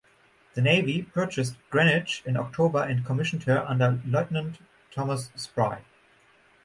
The Navy purchased "Greenwich" in October and commissioned her under Lieutenant Thomas Spry.